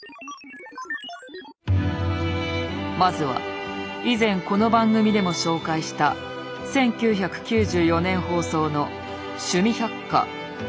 まずは以前この番組でも紹介した１９９４年放送の「趣味百科ヨーガ健康法」。